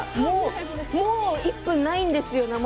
もう１分ないんです。